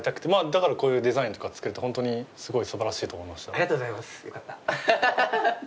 ありがとうございますよかった。